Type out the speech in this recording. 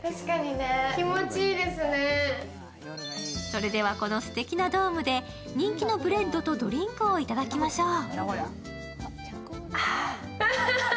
それでは、このすてきなドームで人気のブレッドとドリンクをいただきましょう。